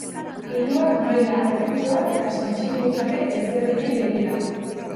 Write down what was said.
Hiruak maila altukoak eta sentsibillitate ezberdinei begira.